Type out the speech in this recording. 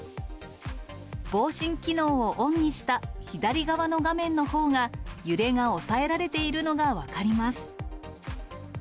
防振機能をオンにした左側の画面のほうが、揺れが抑えられているのが分かります。